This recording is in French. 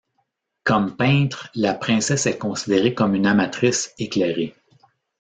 Comme peintre, la princesse est considérée comme une amatrice éclairée.